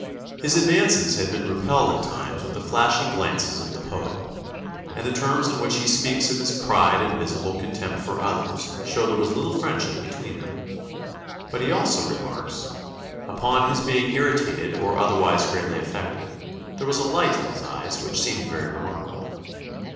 His advances had been repelled at times with the flashing glances of the poet; and the terms in which he speaks of his pride and visible contempt for others show there was little friendship between them. But he also remarks: 'Upon his being irritated or otherwise greatly affected, there was a light in his eyes which seemed very remarkable.